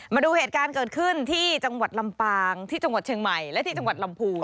มาดูเหตุการณ์เกิดขึ้นที่จังหวัดลำปางที่จังหวัดเชียงใหม่และที่จังหวัดลำพูน